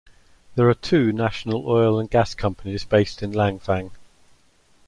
There are two national oil and gas companies based in Langfang.